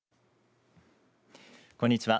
こんにちは。